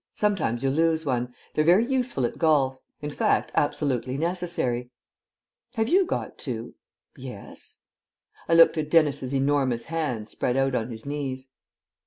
Sometimes you lose one. They're very useful at golf. In fact, absolutely necessary." "Have you got two?" "Yes." I looked at Dennis's enormous hands spread out on his knees.